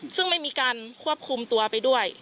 ซึ่งไม่มีการควบคุมตัวไปด้วย